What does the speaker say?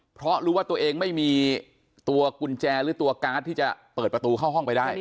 เพราะรู้ว่าตัวเองไม่มีตัวกุญแจหรือตัวการ์ดที่จะเปิดประตูเข้าห้องไปได้